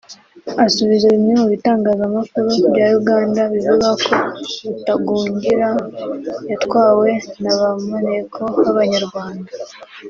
Asubiza bimwe mu bitangazamakuru bya Uganda bivuga ko Rutagungira yatwawe na ba maneko b’Abanyarwanda